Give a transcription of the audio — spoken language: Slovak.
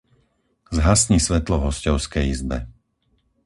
Zhasni svetlo v hosťovskej izbe.